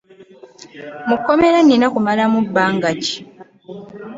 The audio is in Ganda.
Mu kkomera nina kumalamu bbanga ki?